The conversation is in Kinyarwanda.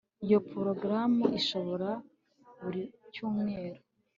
Iyo porogaramu isohoka buri cyumweru